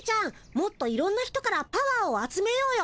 もっといろんな人からパワーをあつめようよ。